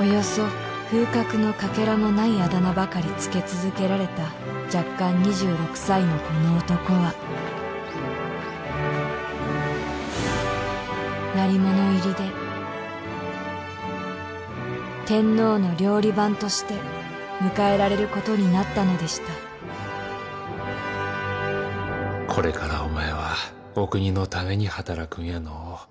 およそ風格のかけらもないあだ名ばかりつけ続けられた弱冠２６歳のこの男は鳴り物入りで天皇の料理番として迎えられることになったのでした・これからお前はお国のために働くんやのう